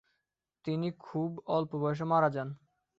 তিনি খুব অল্প বয়সে মারা যান।